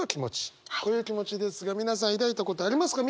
こういう気持ちですが皆さん抱いたことありますか？